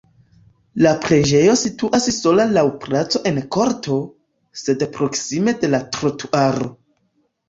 La preĝejo situas sola laŭ placo en korto, sed proksime de la trotuaro.